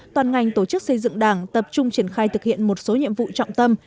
toàn ngành tổ chức xây dựng đảng tập trung triển khai thực hiện một số nhiệm vụ trọng tâm